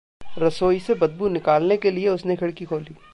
रसोई से बदबू निकालने के लिए उसने खिड़की खोली।